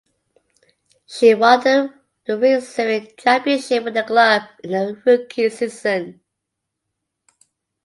She won the Riksserien championship with the club in her rookie season.